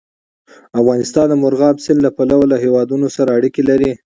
افغانستان د مورغاب سیند له پلوه له هېوادونو سره اړیکې لري.